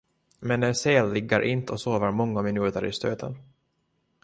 Men en säl ligger inte och sover många minuter i stöten.